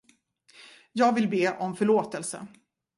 Jag vill be om förlåtelse.